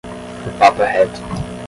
O papo é reto.